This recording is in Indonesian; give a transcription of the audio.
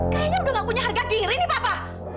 kayaknya udah gak punya harga kiri nih bapak